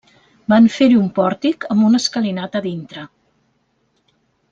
Van fer-hi un pòrtic amb una escalinata a dintre.